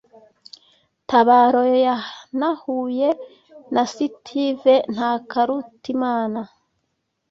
Tabaro yanahuye na “Siteve” Ntakarutimana